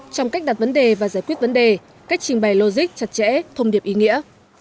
trong cách đặt vấn đề và giải quyết vấn đề cách trình bày logic chặt chẽ thông điệp ý nghĩa